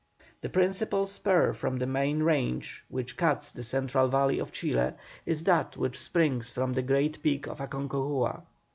The principal spur from the main range which cuts the central valley of Chile is that which springs from the great peak of Aconcagua.